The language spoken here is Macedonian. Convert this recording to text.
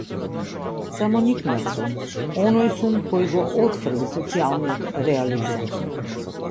Самоникнат сум, оној сум кој го отфрли социјалниот реализам.